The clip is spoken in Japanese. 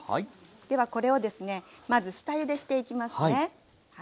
ではこれをですねまず下ゆでしていきますね。